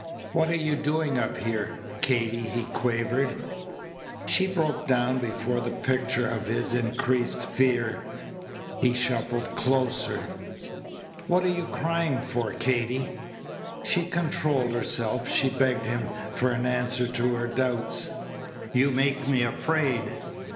"What are you doing up here, Katy?" he quavered. She broke down before the picture of his increased fear. He shuffled closer. "What you crying for, Katy?" She controlled herself. She begged him for an answer to her doubts. "You make me afraid."